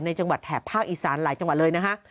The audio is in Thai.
จังหวัดแถบภาคอีสานหลายจังหวัดเลยนะฮะ